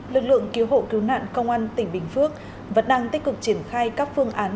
lực lượng cứu hộ cứu nạn công an tỉnh bình phước vẫn đang tích cực triển khai các phương án